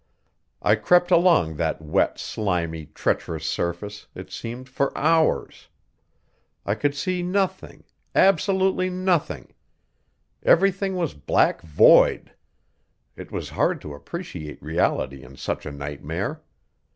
I crept along that wet, slimy, treacherous surface, it seemed, for hours. I could see nothing absolutely nothing; everything was black void; it was hard to appreciate reality in such a nightmare.